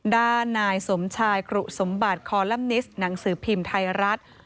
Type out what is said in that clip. ด้านนายสมชายกรุสมบัติคอลัมนิสต์หนังสือพิมพ์ไทยรัฐ